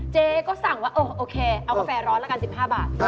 เจ๊ก็สั่งว่าเออโอเคเอากาแฟร้อนละกัน๑๕บาท